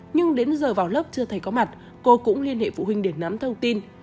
nhưng đến giờ vào lớp chưa thấy có mặt cô cũng liên hệ phụ huynh để nắm thông tin